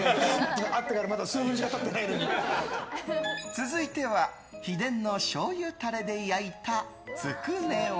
続いては秘伝のしょうゆタレで焼いたつくねを。